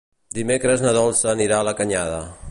Dimecres na Dolça anirà a la Canyada.